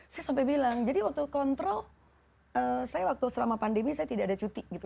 saya sampai bilang jadi waktu kontrol saya waktu selama pandemi saya tidak ada cuti gitu